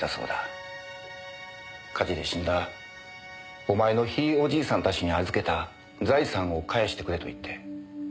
火事で死んだお前のひいおじいさんたちに預けた財産を返してくれと言って。